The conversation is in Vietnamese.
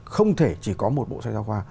không thể chỉ có một bộ sách giáo khoa